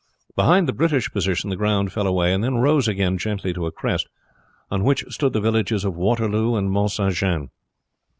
Behind the British position the ground fell away and then rose again gently to a crest, on which stood the villages of Waterloo and Mount St. Jean.